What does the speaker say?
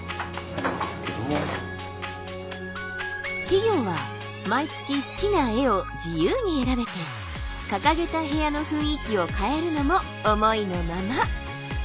企業は毎月好きな絵を自由に選べて掲げた部屋の雰囲気を変えるのも思いのまま。